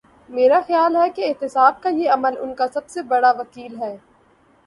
میرا خیال ہے کہ احتساب کا یہ عمل ان کا سب سے بڑا وکیل ہے۔